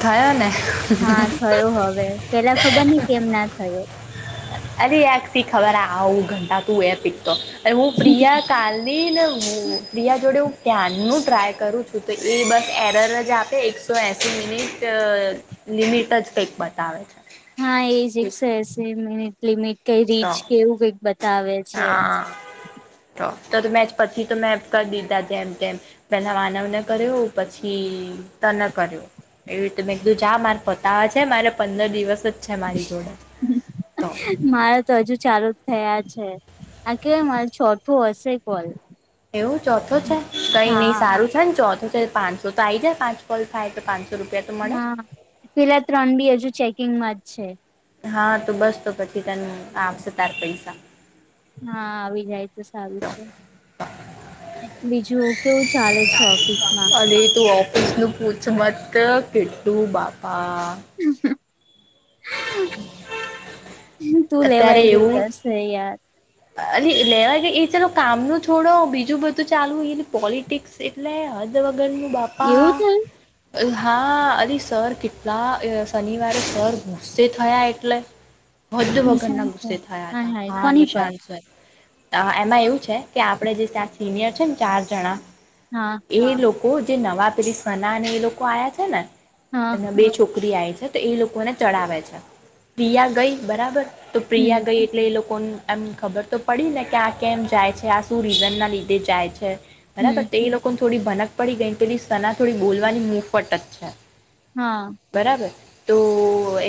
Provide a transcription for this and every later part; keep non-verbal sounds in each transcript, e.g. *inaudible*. થયોને હા થયો હવે પેલા ખબર ની કેમ ના થયો અરે એક થી ખબર આવું ગંધાતુ હોય પીતો હું પ્રિયા કાલી ની ન હું પ્રિયા જોડે હું ક્યાર નુ ટ્રાય કરું છું તો એ બસ એરર જ આપે તો એસી લિમિટ લિમિટ જ કંઈક બતાવે છે. હા એ જ એક સો એસી મિનિટ લિમિટ કઈ તો રીચ કે એવું કઈક બતાવે છે. હા તો મેં પછી તો મેં કરી દીધા જેમ તેમ. પેલા માનવને કર્યો પછી તને કર્યું. એવી રીતે મેં કીધું જા મારે પતાવે છે મારે પંદર દિવસ જ છે મારી જોડે તો. મારા તો હજુ ચાલુ જ થયા છે આ કેય મારે ચોથું હશે કોલ. એવું ચોથો છે કઈ નઈ હા સારું છે ને ચોથું છે પાંચસો તો આ આવી જાય પાંચ કોલ થાય તો રૂપિયા તો મળે હા પેલા ત્રણ બી હજુ ચેકિંગમાં જ છે. હા તો બસ તો પછી તને આવશે તાર પૈસા. હા આવી જાય તો સારું છે. બીજું કેવું ચાલે છે ઓફિસ માં અને તું ઓફિસ નું પૂછ મત કેટલું બાપા *inaudible* અત્યારે ગઈ એવું હશે યાર લેવા ગ એ ચાલો કામ ન છોડો બીજું બધું ચાલવુંય એલે પોલિટિક્સ એટલે હદ વગરનું બાપા. એવું થયું હા અરે સર કેટલા શનિવારે સર ગુસ્સે થયા એટલે. હદ વગરના નિશાન પર ગુસ્સે થયા હતા હા કોની પર નિશાન સર. એમાં એવું છે કે આપડણે જે ત્યાં સિનિયર છે ને ચાર જણા. હા. એ લોકો જે નવા પેલીસના અને એ લોકો આયા છે ને, હા અને બે છોકરી આઇ છે. તો એ લોકોને ચડાવે છે, પ્રિયા ગઈ બરાબર તો હમ પ્રિયા ગઈ. એટલે એ લોકો એમ ખબર તો પડી ને કે આ કેમ જાય છે આ શું રીઝન ના લીધે જાય છે. બરાબર હમ તે એ લોકોને થોડી ભનક પડી ગઈ પેલી સના થોડી બોલવાની મુફત જ છે. હા. બરાબર, તો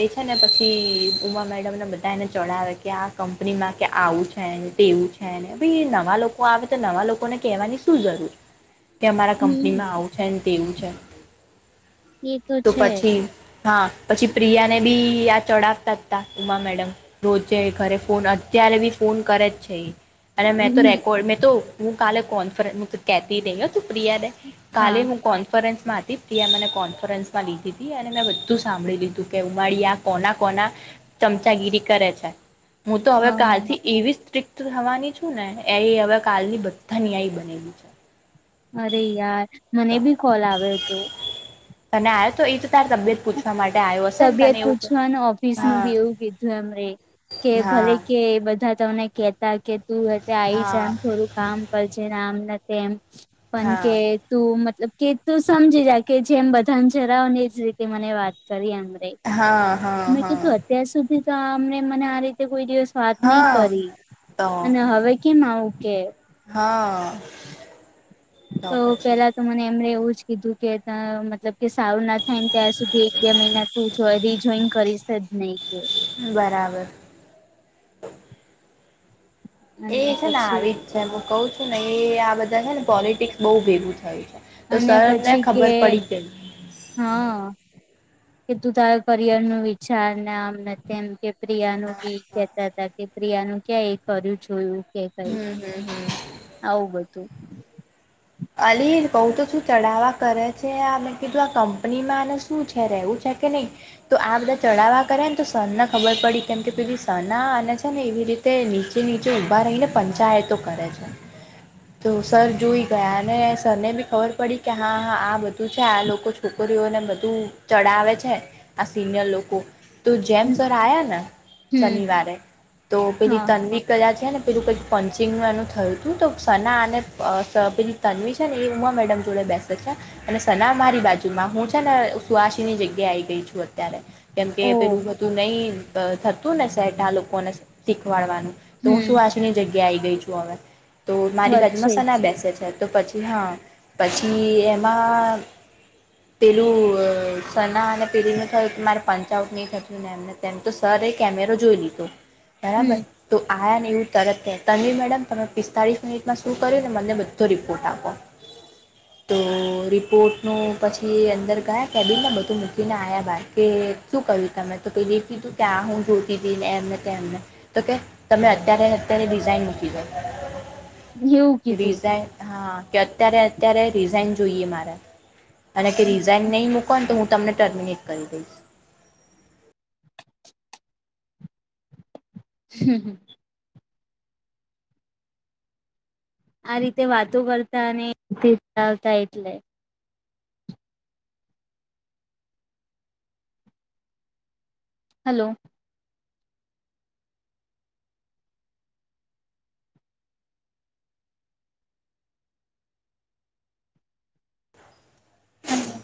એ છે ને પછી ઉમા મે તમને બધા એને ચડાવે કે આ કંપનીમાં કે આવું છેને તેવું છે ને ભ નવા લોકો તો આવે તો નવા લોકોને કહેવાની શું જરૂર. *inaudible* કે અમારા કંપનીમાં હમ આવું છે તેવું છે, એ તો છે પછી હા પછી પ્રિયા ને બી આ ચડાવતા જ હતા. ઉમા મેડમ રોજે ઘરે ફોન અત્યારે બી ફોન કરે જ છે. અને મેં તો હમ, રેકોર્ડ મેં તો હું કાલે કોન્ફરન્સ કેતી નહીં તું પ્રિયાનેે. કાલે હા હું કો કોન્ફરન્સમાં હતી ત્યાં મને કોન્ફરન્સમાં લીધી હતી અને મેં બધું સાંભળી લીધું કે ઉમાળિયા કોના કોના ચમચાગીરી કરે છે, હું તો હવે અ કાલથી એવી થવાની છું ને એ હવે કાલની બધા ની આઈ બનેલી છે. અરે યાર મને બી કોલ આવતો હતો. અને આરો તો એ તારી તબિયત પૂછવા માટે આવ્યો હશે ને તબિયત તને એવું પૂછવાનું ઓફિસ નું બી હા એવું કીધું એમરે. કે ભલે હા કે બધા તમને કેતા કે તું આવી હા જાને થોડું કામ કરજે ને આમ તેમ. પણ હા કે તું મતલબ કે તું સમજી જા કે જેમ બધાને જરાવ ને. મને વાત કરી અમે. હા હા હા. ત્યાં સુધી તો અમને મને આ રીતે કોઈ દિવસ વાત નહી હા કરી, તો અને હવે ઓમાં ઓકે. હા. તો પેલા તો મને એમણે એવું જ કીધું કે મતલબ કે સારું ના થાય ને ત્યાં સુધી એક બે મહિના તું જો દ જોઈન કરીશ જ નહી કે. બરાબર. એ અને છે ને આવી પછી જ છે હું કઉ છું ને એ આ બધા છે ને પોલિટિક્સ બઉુ ભેગું થયું છે. તો અને સરને પછી ખબર કે પડી ગઈ. હા, કે તું તારા કરિયર નું વિચાર ને આમ ને તેમ. કે પ્રિયા ન બી કહેતા હતા કે પ્રિયા નું ક્યાં એ કર્યું જોયું. કે કઈ, હમ હમ હમ આવું બધું. અલી બઉ તો શું ચઢાવવા કરે છે મેં કીધું આ કંપનીમાં અને શું છે રહેવું છે કે નહીં. તો આ બધા ચઢાવવા કરે ને તો સના ખબર પડી કેમ કે પે સના આને છે ને એવી રીતે તે નીચે નીચે ઊભા રહીને પંચાયતો કરે છે. હ *inaudible* તો સર જોઈ તને સરને બી ખબર પડી કે હા હા આ બધું છે આ લોકો છોકરીઓને બધું ચડાવે છે આ સિનિયર લોકો તો જેમ હમ સર આ્યા ને હમ શનિવારે તો પેલી હા તનવિ કરયા છે ને પીજું કઈક પંચિંગ ન એનું થયું હતું તો સના અનેને પેલી તન્વી છે ને એ ઉમા મેડમ જોડે બેસે છે અને સના મારી બાજુમાં હું છે ને સુ આસી ની જગ્યા આઈ ગઈ છું અત્યારે કેમ ઓ કે પેલું હતું નહી થતું ને શેટ આ લોકોને શીખવાડવાનું તો હું હમ શું ની જગ્યા આવી ગઈ છું હવે તો મારી વચ્ચે બાજુમાં સના બેેસે છે તો પછી હા પછી એમાં પેલું સના અને પેલી ન થયું મારે પંચઉટ થતું ને એમ તેમ તો સર એ કેમેરો જોઈ લીધો બરાબર હમ તો આયા ને એવું તરત તનવી મેડમ તમે પિસ્તાળીસ મિનિટમાં શું કર્યું ને મને બધું તો રિપોર્ટ આપો હ તો રિપોર્ટનું પછી અંદર ગયા કેબિનને બધું મૂકીને આવ્યા બાર કે શું ક્યું તમે તો પે કીધું ત્યાં હું જોતી હતીઈ ને એમ ને તેમને. તો કે તમે અત્યારે અત્યારે ડિઝાઇન મૂકી જાવ એવું કીધું રિઝાઈન હા કે અત્યારે અત્યારે રિઝાઈન જોઈએ મારા અને કે રિઝાઈઇન નહી મૂકો ને તો હું તમને ટર્મિનેટ કરી દઈશ હમ હ આ રીતે વાતો કરતા અને આવતા એટલે હલો હમ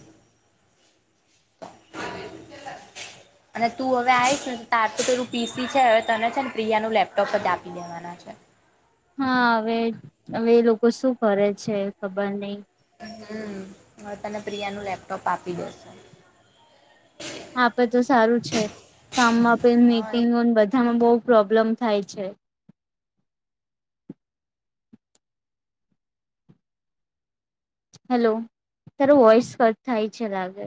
અને તું હવે આવીશ ને તાર તોું પરું પીસી છે હવે તને છે ને પ્રિયા નું લેપટોપ જ આપી દેવાના છે હા હવે હવે એ લોકો શું કરે છે ખબર નઈ હમ હવે તને પ્રિયા નું લેપટોપ આપી દેસ આપે તો સારું છે, કામમાં આપે હા મીટિંગોને બધામાં બહુ પ્રોબ્લેમ થાય છે. હેલો તારો વોઇસ કટ થાય છે, લાગે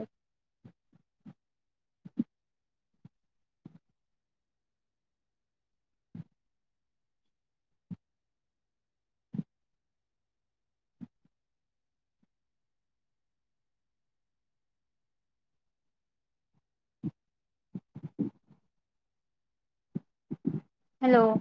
હેલો